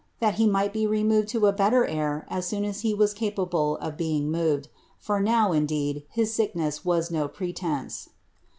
that he might be removed to a beiier air as soon as he was capable of being moved, for now, indeed, hb sickness was no pretence.